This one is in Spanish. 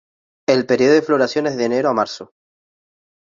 El período de floración es de enero a marzo.